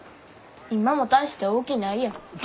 今も大して大きないやん。